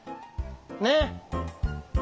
ねっ？